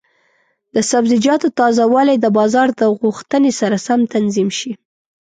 د سبزیجاتو تازه والی د بازار د غوښتنې سره سم تنظیم شي.